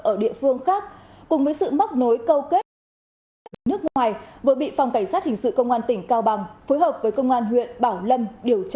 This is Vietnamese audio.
ở địa phương khác cùng với sự móc nối câu kết với các đối tượng nước ngoài